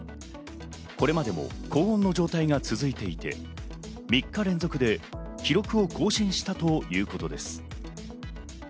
これまでも高温の状態が続いていて、３日連続で記録を更新したということです。